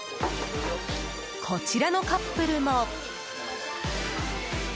こちらのカップルも。